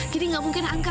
jadi gak mungkin anggar